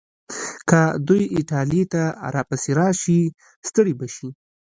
که دوی ایټالیې ته راپسې راشي، ستړي به شي.